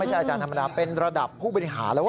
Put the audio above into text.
อาจารย์ธรรมดาเป็นระดับผู้บริหารแล้ว